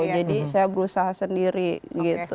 jadi saya berusaha sendiri gitu